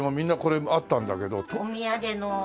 お土産の。